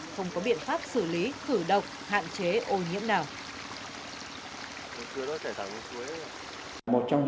không có biện pháp xử lý thử độc hạn chế ô nhiễm nào